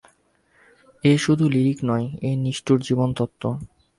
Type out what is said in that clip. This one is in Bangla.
এ শুধু লিরিক নয়, এ নিষ্ঠুর জীবনতত্ত্ব।